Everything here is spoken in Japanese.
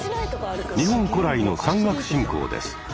日本古来の山岳信仰です。